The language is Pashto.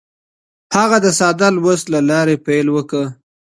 هغه د ساده لوست له لارې پیل وکړ.